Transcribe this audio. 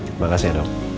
terima kasih ya dok